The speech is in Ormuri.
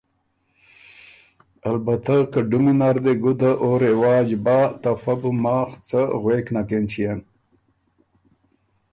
”البته که ډُمی نر دې ګُده او رواج بۀ ته فۀ بو ماخ څه غوېک نک اېنچيېن“